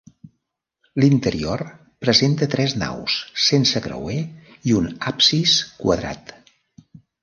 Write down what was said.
L'interior presenta tres naus, sense creuer i un absis quadrat.